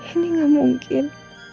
ini gak mungkin